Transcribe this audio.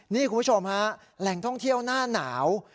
นี่คุณผู้ชมฮะแหล่งท่องเที่ยวหน้าหนาว